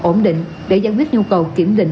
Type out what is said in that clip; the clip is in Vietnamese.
ổn định để giải quyết nhu cầu kiểm định